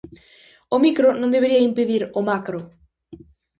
O "micro" non debería impedir o "macro".